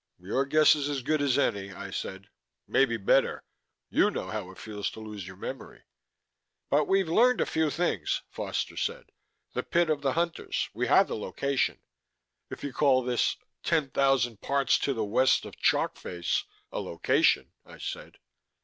"Your guess is as good as any," I said. "Maybe better; you know how it feels to lose your memory." "But we've learned a few things," Foster said. "The pit of the Hunters we have the location." "If you call this 'ten thousand parts to the west of chalk face' a location," I said.